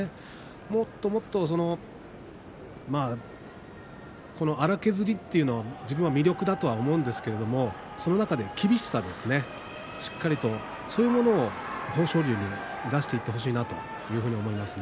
もっともっと粗削りというのは自分は魅力だと思うんですけれどその中で厳しさですねしっかりとそういう豊昇龍に出していってほしいなというふうに思います。